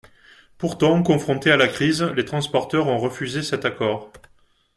Pourtant, confrontés à la crise, les transporteurs ont refusé cet accord.